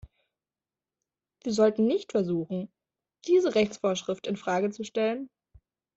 Wir sollten nicht versuchen, diese Rechtsvorschrift in Frage zu stellen.